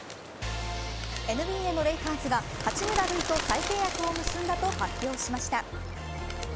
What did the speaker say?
ＮＢＡのレイカーズが八村塁と再契約を結んだと発表しました。